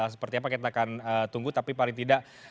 seperti apa kita akan tunggu tapi paling tidak